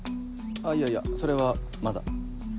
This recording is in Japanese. いやいやそれはまだ。